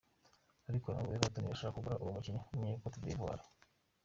Ariko n'ubu Everton irashaka kugura uwo mukinyi w'umunye Cote d'Ivoire.